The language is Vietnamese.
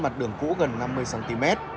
mặt đường cũ gần năm mươi cm